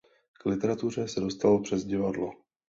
K literatuře se dostal přes divadlo.